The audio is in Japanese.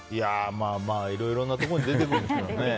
いろいろなところに出てくるんですよね。